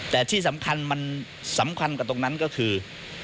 แต่ที่สำคัญกับตรงนั้นก็คือ